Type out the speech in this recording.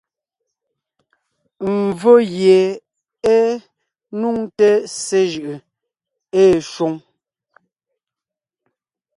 Mvfó gie é nuŋte ssé jʉʼʉ ée shwoŋ.